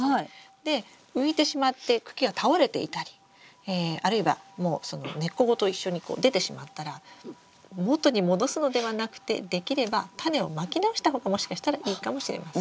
で浮いてしまって茎が倒れていたりあるいはもうその根っこごと一緒に出てしまったら元に戻すのではなくてできればタネをまき直した方がもしかしたらいいかもしれません。